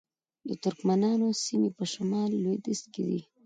د ترکمنانو سیمې په شمال لویدیځ کې دي